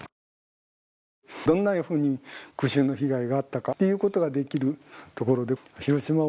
どんなふうに空襲の被害があったかっていうことができる所で。